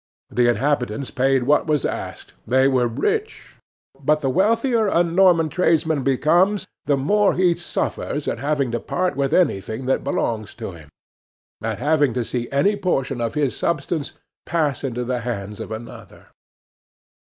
The inhabitants paid what was asked; they were rich. But, the wealthier a Norman tradesman becomes, the more he suffers at having to part with anything that belongs to him, at having to see any portion of his substance pass into the hands of another.